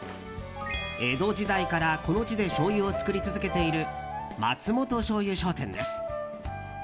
江戸時代から、この地でしょうゆを造り続けている松本醤油商店です。